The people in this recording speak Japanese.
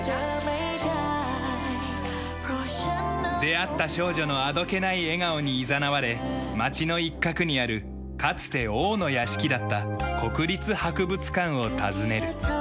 出会った少女のあどけない笑顔にいざなわれ町の一角にあるかつて王の屋敷だった国立博物館を訪ねる。